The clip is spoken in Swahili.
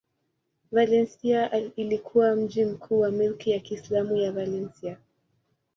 Valencia ilikuwa mji mkuu wa milki ya Kiislamu ya Valencia.